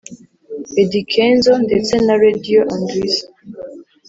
Eddy Kenzo ndetse na Radio&Weasel